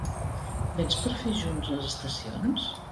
Véns per a fer junts les estacions?